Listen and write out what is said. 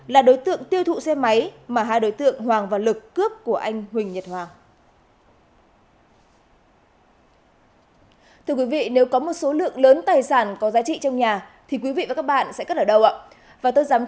là đối tượng tiêu thụ xe máy mà hai đối tượng hoàng và lực cướp của anh huỳnh nhật hoàng